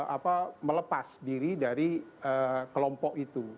apa melepas diri dari kelompok itu